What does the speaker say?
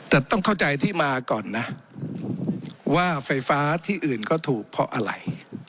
แต่ต้องเข้าใจที่มาก่อนนะว่าไฟฟ้าที่อื่นก็ถูกเพราะอะไร